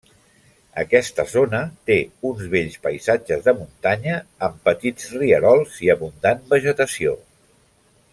Aquesta zona té uns bells paisatges de muntanya, amb petits rierols i abundant vegetació.